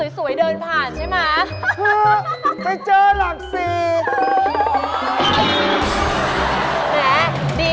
อุ๊ยไม่ได้เจออุปัติเหตุ